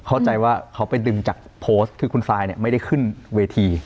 เข้าใจว่าเขาไปดึงจากโพสต์คือคุณซายเนี่ยไม่ได้ขึ้นเวที